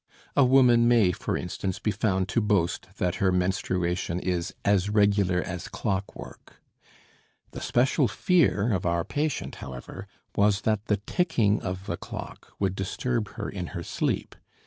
A woman may for instance be found to boast that her menstruation is as regular as clockwork. The special fear of our patient, however, was that the ticking of the clock would disturb her in her sleep.